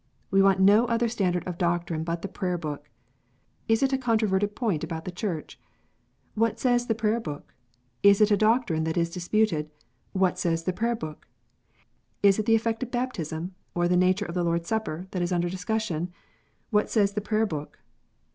"We want no other standard of doctrine but the Prayer book." Is it a con troverted point about the Church ? "What says the Prayer book? Is it a doctrine that is disputed? What says the Prayer book ? Is it the effect of baptism, or the nature of the Lord s Supper, that is under discussion 1 "What says the Prayer book